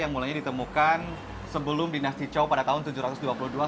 yang mulainya ditemukan sebelum dinasti chow pada tahun tujuh ratus dua puluh dua sampai empat ratus dua belas